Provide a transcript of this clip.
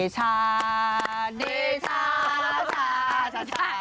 ชาชาชาชาชาชา